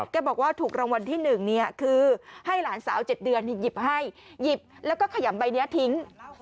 แกบอกว่าถูกรางวัลที่๑คือให้หลานสาว๗เดือนหยิบให้หยิบแล้วก็ขยำใบนี้ทิ้ง